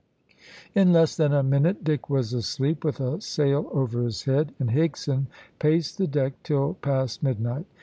In less than a minute Dick was asleep with a sail over his head, and Higson paced the deck till past midnight.